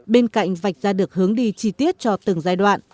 bên cạnh vạch ra được hướng đi chi tiết cho từng giai đoạn